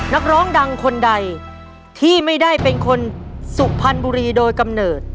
นักร้องดังคนใดที่ไม่ได้เป็นคนสุพรรณบุรีโดยกำเนิด